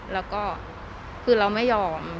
แล้วก็คือเราไม่ยอม